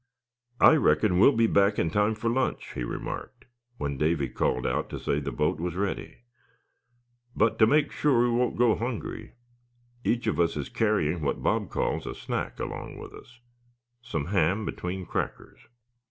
"I reckon we'll be back in time for lunch," he remarked, when Davy called out to say the boat was ready; "but to make sure we won't go hungry each of us is carrying what Bob calls a 'snack,' along with us some ham between crackers."